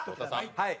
はい。